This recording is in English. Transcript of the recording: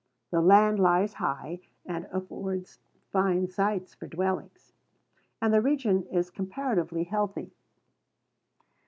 The land lies high, and affords fine sites for dwellings; and the region is comparatively healthy.